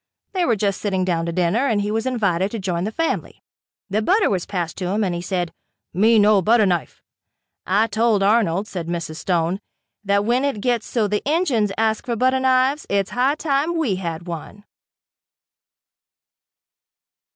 They were just sitting down to dinner and he was invited to join the family. The butter was passed to him, and he said, "Me no butter knife." "I told Arnold," said Mrs. Stone, "that when it gets so the Injuns ask for butter knives it's high time we had one."